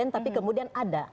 tapi kemudian ada